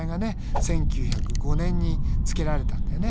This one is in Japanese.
１９０５年につけられたんだよね。